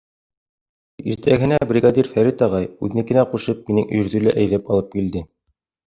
Иртәгеһенә бригадир Фәрит ағай үҙенекенә ҡушып минең өйөрҙө лә әйҙәп алып килде.